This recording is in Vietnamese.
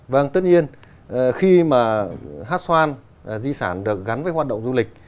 vâng tất nhiên khi mà hát xoan di sản được gắn với hoạt động du lịch